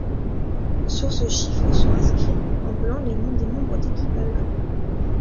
Sur ce chiffre sont inscrits en blanc les noms des membres d'équipage.